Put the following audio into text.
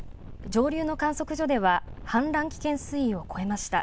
上流の観測所では氾濫危険水位を超えました。